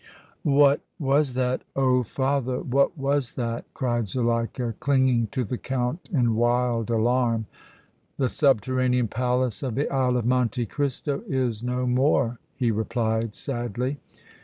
"What was that, oh! father, what was that?" cried Zuleika, clinging to the Count in wild alarm. "The subterranean palace of the Isle of Monte Cristo is no more!" he replied, sadly.